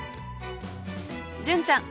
純ちゃん